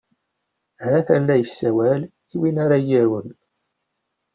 Ha-t-an la yessawal i win ara irun.